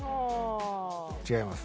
違います。